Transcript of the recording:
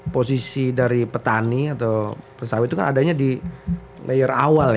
posisi dari petani atau persawit itu kan adanya di layer awal ya